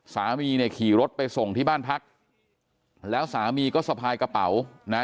สามีเนี่ยขี่รถไปส่งที่บ้านพักแล้วสามีก็สะพายกระเป๋านะ